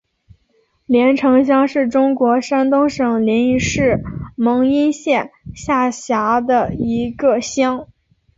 联城乡是中国山东省临沂市蒙阴县下辖的一个乡。